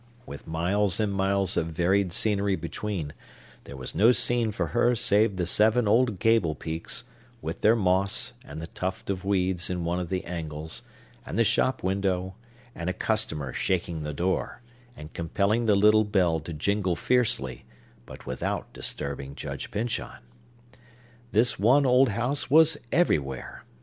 With miles and miles of varied scenery between, there was no scene for her save the seven old gable peaks, with their moss, and the tuft of weeds in one of the angles, and the shop window, and a customer shaking the door, and compelling the little bell to jingle fiercely, but without disturbing Judge Pyncheon! This one old house was everywhere!